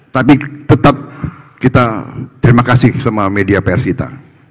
tapi tetap kita terima kasih sama media pers kita